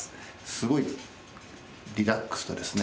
すごいリラックスとですね